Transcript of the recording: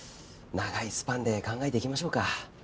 長いスパンで考えていきましょうか。